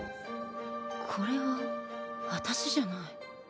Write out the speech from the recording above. これはあたしじゃない